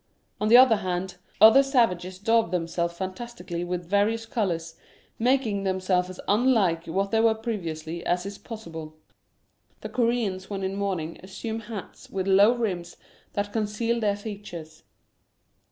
On the other hand, other savages daub themselves fantastically with various colours, making themselves as unlike what they were previously as is possible. The Core an s when in mourning assume hats with low rims that conceal their features.